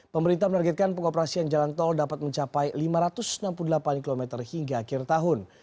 pemerintah menargetkan pengoperasian jalan tol dapat mencapai lima ratus enam puluh delapan km hingga akhir tahun